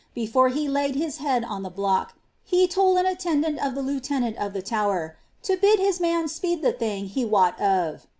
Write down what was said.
Before he laid his head on the block, he tM ■■ i^ lendant of the Uauienant of the Tower to " bid his mao speed the dMf be wot of."